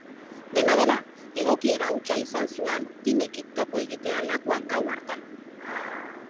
Dena dela, egokiera hutsa izan zuan Timekin topo egitea lakuan gau hartan.